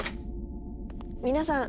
皆さん